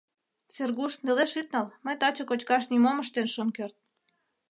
— Сергуш, нелеш ит нал, мый таче кочкаш нимом ыштен шым керт.